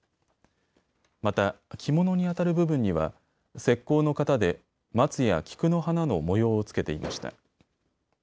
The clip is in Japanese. また、着物にあたる部分には石こうの型で松や菊の花の模様をつけていました。